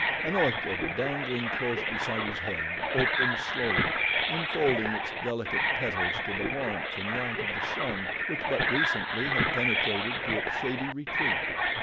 An orchid, dangling close beside his head, opened slowly, unfolding its delicate petals to the warmth and light of the sun which but recently had penetrated to its shady retreat.